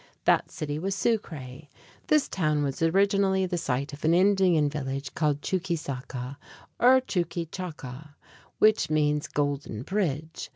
That city was Sucre (soo´ kray). This town was originally the site of an Indian village called Chuquisaca (choo kee sah´ kah) or Chuquichaca, which means "golden bridge."